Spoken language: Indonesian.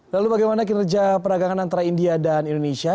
lalu bagaimana kinerja perdagangan antara india dan indonesia